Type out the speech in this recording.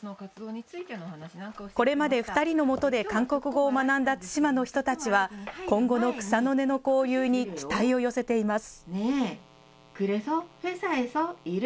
これまで２人のもとで韓国語を学んだ対馬の人たちは、今後の草の根の交流に期待を寄せています。